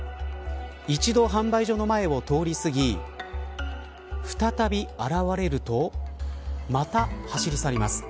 一度、販売所の前を通り過ぎ再び現れるとまた走り去ります。